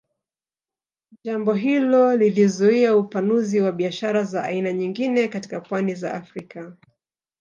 Jambo hilo lilizuia upanuzi wa biashara za aina nyingine katika pwani za Afrika